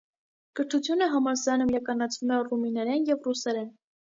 Կրթությունը համալսարանում իրականացվում է ռումիներեն և ռուսերեն։